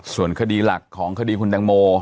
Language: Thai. ส่วนคดีหลักของคดีคุณตังโม